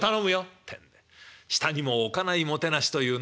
ってんで下にも置かないもてなしというのはこのことで。